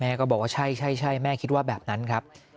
ก็บอกว่าใช่แม่คิดว่าแบบนั้นครับ